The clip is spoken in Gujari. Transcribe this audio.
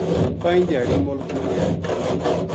پنج دھیاڑی مہلت منگ کے